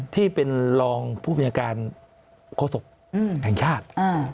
ที่เป็นรองผู้บัญชาการโฆษกแห่งชาติ